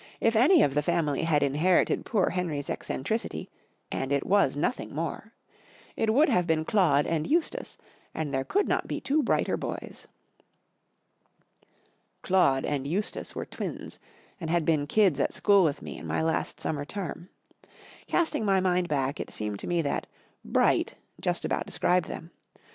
" If any of the family had inherited poor Henry's eccentricity—and it was nothing more—it would have been Claude and Eustace, and there could not be two brighter boys." Claude and Eustace were twins, and had been kids at school with me in my last summer term. Casting my mind back, it seemed to me that " bright " just about described them.